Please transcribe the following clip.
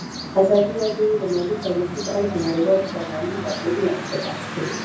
ازادي راډیو د مالي پالیسي په اړه د نړیوالو سازمانونو راپورونه اقتباس کړي.